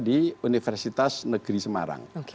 di universitas negeri semarang